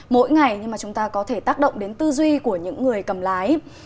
mỗi ngày nhưng mà chúng ta có thể tác động đến tư duy của những người cầm lái